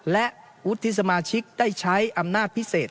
และวุฒิสมาชิกได้ใช้อำนาจพิเศษ